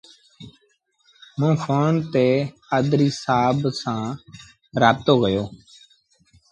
موݩ ڦون تي پآڌريٚ سآب سآݩ رآبتو ڪيو۔